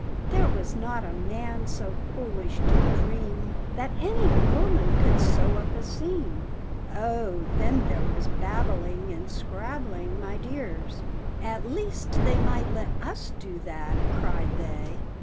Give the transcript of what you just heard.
There was not a man so foolish to dream That any woman could sew up a seam!" Oh, then there was babbling and scrabbling, my dears! "At least they might let us do that!" cried they.